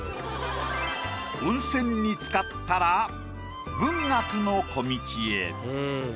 温泉につかったら文学の小径へ。